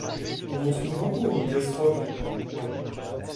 On en trouve beaucoup au mont Castrove.